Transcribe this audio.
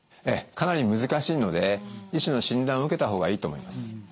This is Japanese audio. ええかなり難しいので医師の診断を受けた方がいいと思います。